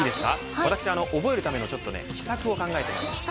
私、覚えるための秘策を考えてきました。